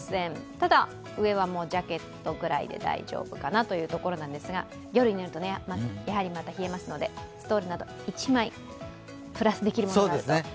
ただ、上はジャケットくらいで大丈夫かなというところなんですが、夜になるとまた冷えますので、ストールなど１枚プラスできるものがあるといいですね。